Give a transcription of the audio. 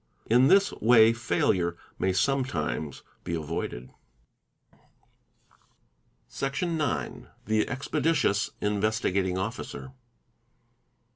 In this way failure may sometimes be avoided™, Section ix.— The Expeditious" Investigating Officer.